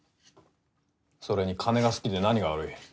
それに金が好きで何が悪い。